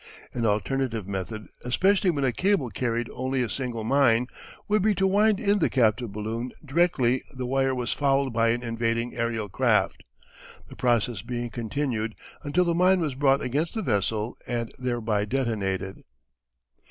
An alternative method, especially when a cable carried only a single mine, would be to wind in the captive balloon directly the wire was fouled by an invading aerial craft, the process being continued until the mine was brought against the vessel and thereby detonated.